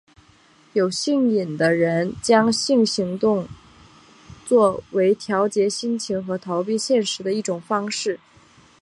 有性瘾的人将性行动作为调节心情和逃避现实的一种方式。